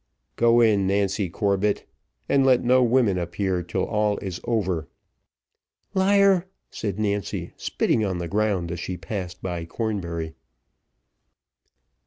"Go in, Nancy Corbett, and let no women appear till all is over." "Liar!" said Nancy, spitting on the ground as she passed by Cornbury.